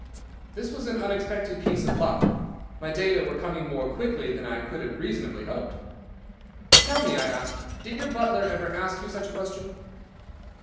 "This was an unexpected piece of luck. My data were coming more quickly than I could have reasonably hoped. "'Tell me,' I asked, 'did your butler ever ask you such a question?